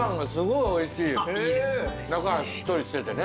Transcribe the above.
中がしっとりしててね。